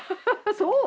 そう？